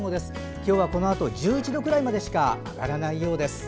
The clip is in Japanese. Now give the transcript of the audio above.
今日はこのあと１１度くらいまでしか上がらないようです。